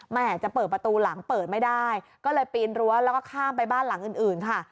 แม่จะเปิดประตูหลังเปิดไม่ได้ก็เลยปีนรั้วแล้วก็ข้ามไปบ้านหลังอื่นค่ะ